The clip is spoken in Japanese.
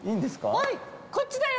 おいこっちだよ。